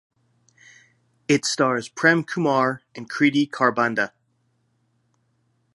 It stars Prem Kumar and Kriti Kharbanda.